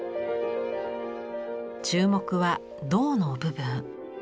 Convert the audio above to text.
注目は胴の部分。